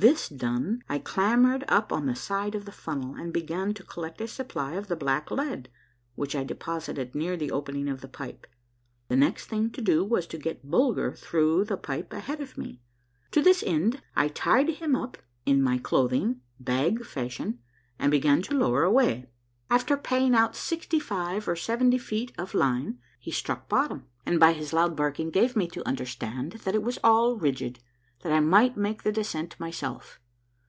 This done, I clambered up on the side of the funnel, and began to collect a supply of the black lead, which I deposited near the opening of the pipe. The next thing to do was to get Bulger through tlie pipe ahead of me. To this end I tied him up in my clothing, bag fashion, and began to lower away. After paying out sixty five or seventy feet of the line, he struck bottom, and by his loud barking gave me to understand that it was all rigid, that I might make the descent myself.